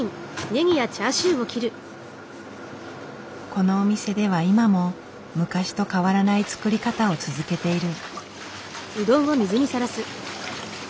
このお店では今も昔と変わらない作り方を続けている。